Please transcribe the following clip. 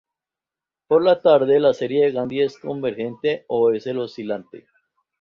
Por lo tanto, la serie de Grandi es no-convergente o es oscilante.